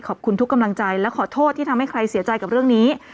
ขอบคุณทุกกำลังใจและขอโทษที่ทำให้ใครเสียใจกับเรื่องนี้